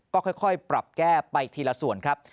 ก็ค่อยปรับแก้ไปทีละส่วนครับ